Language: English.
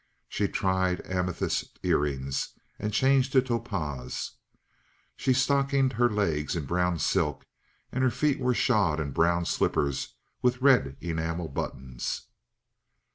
She tried amethyst ear rings and changed to topaz; she stockinged her legs in brown silk, and her feet were shod in brown slippers with red enamel buttons.